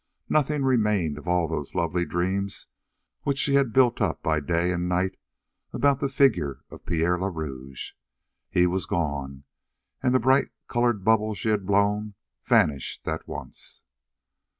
Nothing remained of all those lovely dreams which she had built up by day and night about the figure of Pierre le Rouge. He was gone, and the bright colored bubble she had blown vanished at once.